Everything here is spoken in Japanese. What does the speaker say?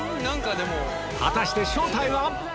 果たして正体は⁉